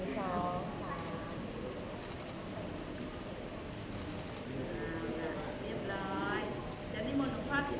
สวัสดีครับสวัสดีครับ